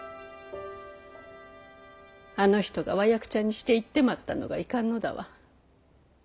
あの人がわやくちゃにして逝ってまったのがいかんのだわ。